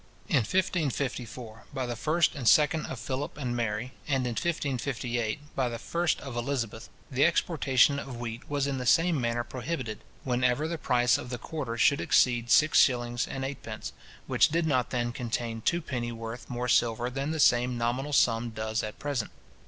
In 1554, by the 1st and 2nd of Philip and Mary, and in 1558, by the 1st of Elizabeth, the exportation of wheat was in the same manner prohibited, whenever the price of the quarter should exceed six shillings and eightpence, which did not then contain two penny worth more silver than the same nominal sum does at present.